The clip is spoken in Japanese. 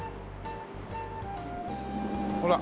ほら。